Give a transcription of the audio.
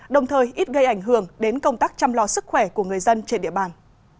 đồng thời ít gây ảnh hưởng đến công tác chăm lo sức khỏe của người dân trên địa bàn